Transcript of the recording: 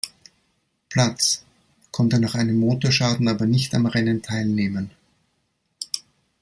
Platz, konnte nach einem Motorschaden aber nicht am Rennen teilnehmen.